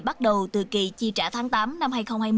bắt đầu từ kỳ chi trả tháng tám năm hai nghìn hai mươi